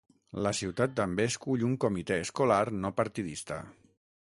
La ciutat també escull un comitè escolar no partidista.